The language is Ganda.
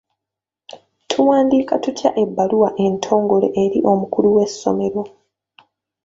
Tuwandiika tutya ebbaluwa entongole eri omukulu w'essomero?